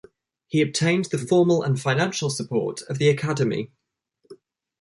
He obtained the formal and financial support of the Academy.